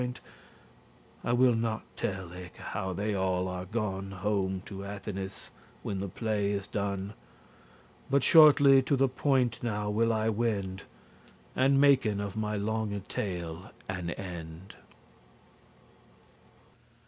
*in any contest* I will not tell eke how they all are gone Home to Athenes when the play is done; But shortly to the point now will I wend*, *come And maken of my longe tale an end.